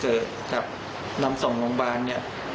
เกิดจากนำส่งโรงพยาบาล